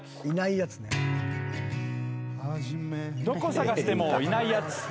どこ探してもいないやつ。